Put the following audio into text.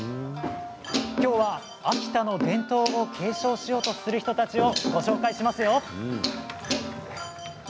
きょうは秋田の伝統を継承しようとする人たちをご紹介します。